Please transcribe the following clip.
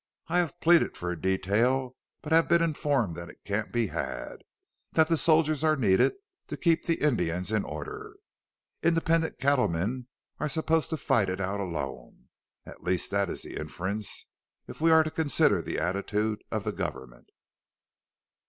I have pleaded for a detail, but have been informed that it can't be had; that the soldiers are needed to keep the Indians in order. Independent cattlemen are supposed to fight it out alone. At least that is the inference, if we are to consider the attitude of the government."